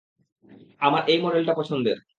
আমার এই মডেলটা পছন্দের।